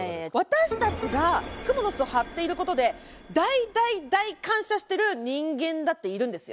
私たちがクモの巣を張っていることで大大大感謝している人間だっているんですよ。